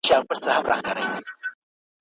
اسلامي نظام د خلګو د سوکالۍ لپاره راغلی دی.